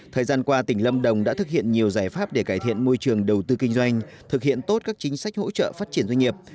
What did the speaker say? thời gian qua tỉnh lâm đồng đã thực hiện nhiều giải pháp để cải thiện môi trường đầu tư kinh doanh thực hiện tốt các chính sách hỗ trợ phát triển doanh nghiệp